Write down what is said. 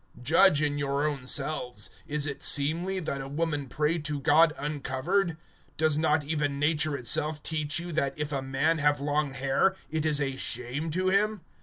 (13)Judge in your own selves; is it seemly that a woman pray to God uncovered? (14)Does not even nature itself teach you, that, if a man have long hair, it is a shame to him?